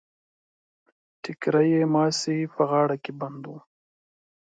ټکری يې مازې په غاړه کې بند و.